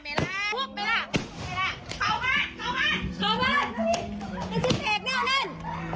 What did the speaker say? นี่ชิคกี้พายนี่เอาเล่น